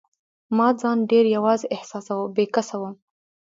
ما ځان ډېر یوازي احساساوه، بې کسه وم.